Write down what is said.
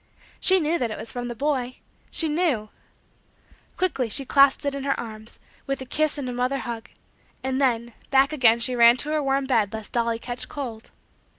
She knew that it was from the boy she knew. Quickly she clasped it in her arms, with a kiss and a mother hug; and then, back again she ran to her warm bed lest dolly catch cold.